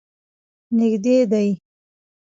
نږدې دی.